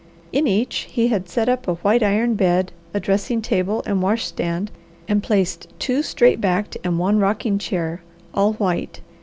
In each he had set up a white iron bed, a dressing table, and wash stand, and placed two straight backed and one rocking chair, all white.